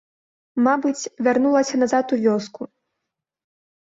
Мабыць, вярнулася назад у вёску.